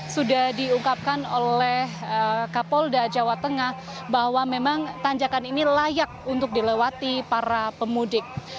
sudah diungkapkan oleh kapolda jawa tengah bahwa memang tanjakan ini layak untuk dilewati para pemudik